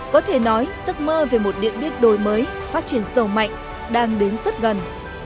có thể nói giấc mơ về một điện biên đổi mới phát triển sầu mạnh đang đến rất gần